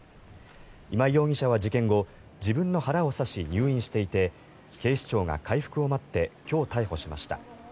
今井容疑者は事件後自分の腹を刺し、入院していて警視庁が回復を待って今日逮捕しました。